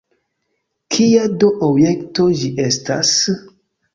Kia do objekto ĝi estas?